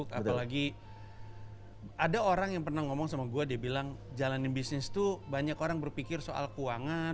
apalagi ada orang yang pernah ngomong sama gue dia bilang jalanin bisnis tuh banyak orang berpikir soal keuangan